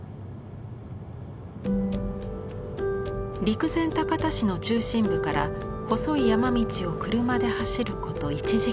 陸前高田市の中心部から細い山道を車で走ること１時間。